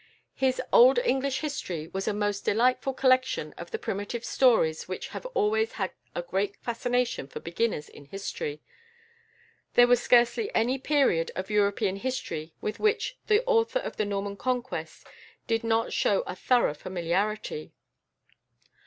His "Old English History" was a most delightful collection of the primitive stories which have always had a great fascination for beginners in history. There was scarcely any period of European history with which the author of the "Norman Conquest" did not show a thorough familiarity.